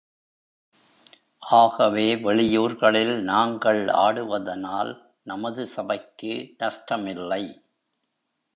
ஆகவே வெளியூர்களில் நாங்கள் ஆடுவதனால் நமது சபைக்கு நஷ்டமில்லை.